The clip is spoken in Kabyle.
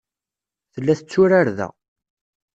Tella tetturar da.